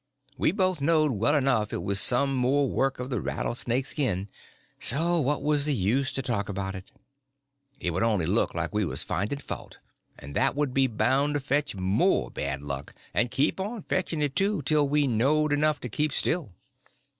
We both knowed well enough it was some more work of the rattlesnake skin; so what was the use to talk about it? It would only look like we was finding fault, and that would be bound to fetch more bad luck—and keep on fetching it, too, till we knowed enough to keep still.